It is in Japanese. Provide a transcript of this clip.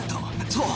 そう！